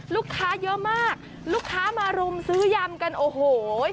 ลูกค้าเยอะมากลูกค้ามารุมซื้อยำกันโอ้โห